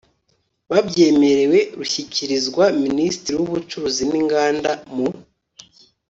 babyemerewe rushyikirizwa Minisitiri w ubucuruzi n inganda mu